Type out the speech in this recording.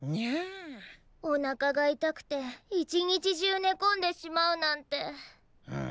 おなかが痛くて一日中ねこんでしまうなんて。ん